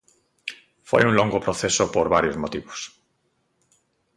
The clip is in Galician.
Foi un longo proceso por varios motivos.